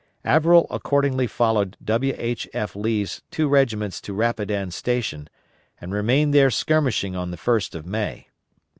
Averell accordingly followed W. H. F. Lee's two regiments to Rapidan Station, and remained there skirmishing on the 1st of May.